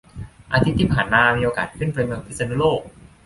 อาทิตย์ที่ผ่านมามีโอกาสขึ้นไปเมืองพิษณุโลก